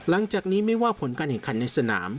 หลังจากนี้ไม่ว่าผลการแข่งขันในสนาม